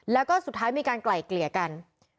แล้วก็สุดท้ายมีการไกล่เกลี่ยกัน